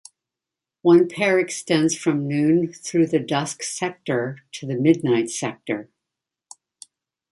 One pair extends from noon through the dusk sector to the midnight sector.